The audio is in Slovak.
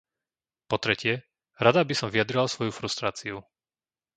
Po tretie, rada by som vyjadrila svoju frustráciu.